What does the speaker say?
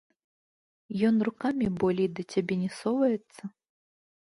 Ён рукамі болей да цябе не соваецца?